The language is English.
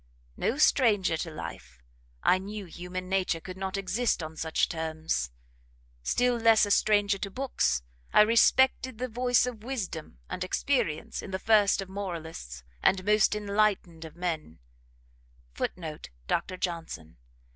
No stranger to life, I knew human nature could not exist on such terms; still less a stranger to books, I respected the voice of wisdom and experience in the first of moralists, and most enlightened of men, [Footnote: Dr Johnson.